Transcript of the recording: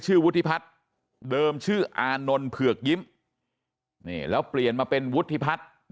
วุฒิพัฒน์เดิมชื่ออานนท์เผือกยิ้มนี่แล้วเปลี่ยนมาเป็นวุฒิพัฒน์